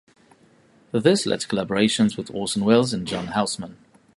This led to collaborations with Orson Welles and John Houseman.